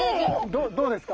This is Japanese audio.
どどうですか？